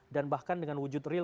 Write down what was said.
dan bahkan dengan wujud real